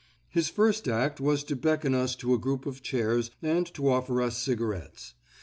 His first act was to beckon us to a group of chairs and to offer us cigarettes.